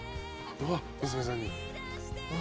うわっ娘さんに？